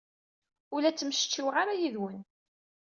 Ur la ttmecčiweɣ ara yid-wen.